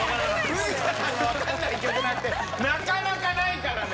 藤田さんがわかんない曲なんてなかなかないからね